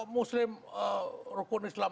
muslim rukun islam